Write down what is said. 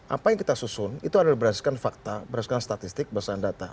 apa yang kita susun itu adalah berdasarkan fakta berdasarkan statistik berdasarkan data